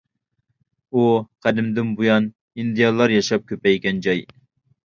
ئۇ قەدىمدىن بۇيان ئىندىيانلار ياشاپ كۆپەيگەن جاي.